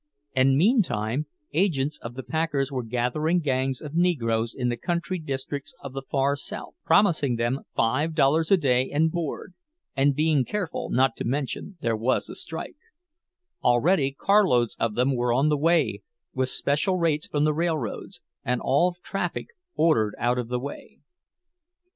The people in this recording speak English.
And meantime, agents of the packers were gathering gangs of Negroes in the country districts of the far South, promising them five dollars a day and board, and being careful not to mention there was a strike; already carloads of them were on the way, with special rates from the railroads, and all traffic ordered out of the way.